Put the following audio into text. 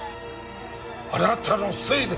あなたのせいで！